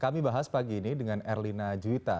kami bahas pagi ini dengan erlina juwita